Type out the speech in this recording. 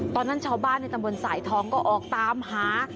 ตอนนั้นชาวบ้านในตำบลสายทองก็ออกตามหา